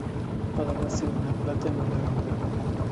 Además tiene una plata en un europeo.